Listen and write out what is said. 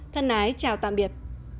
thân ái chào tạm biệt